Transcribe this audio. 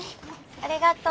ありがとう。